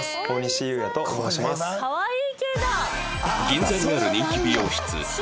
銀座にある人気美容室